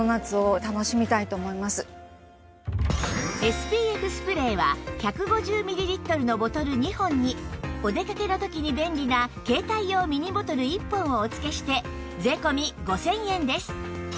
ＳＰＦ スプレーは１５０ミリリットルのボトル２本にお出かけの時に便利な携帯用ミニボトル１本をお付けして税込５０００円です